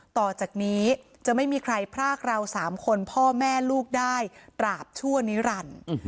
ต่อจากนี้จะไม่มีใครพรากเรา๓คนพ่อแม่ลูกได้ตราบชั่วนิรันดิ์